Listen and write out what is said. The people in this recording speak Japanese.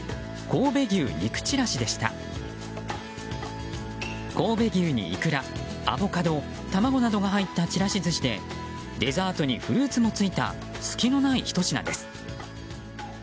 神戸牛にイクラ、アボカド卵などが入ったちらし寿司でデザートにフルーツもついた隙のないひと品です。